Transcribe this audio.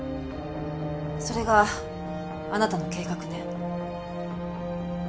それがあなたの計画ね。